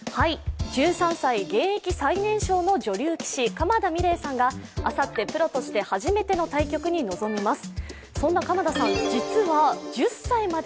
１３歳、現役最年少の女流棋士鎌田美礼さんが、あさってプロとして初めての対局に臨みます。